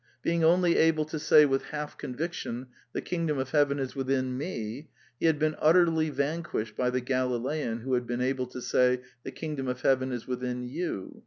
Being only able to say, with half conviction, " The kingdom of heaven is within ME," he had been utterly vanquished by the Galilean who had been able to say, " The king dom of heaven is within you."